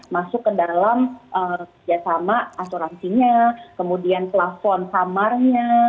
masuk ke dalam kerjasama asuransinya kemudian plafon kamarnya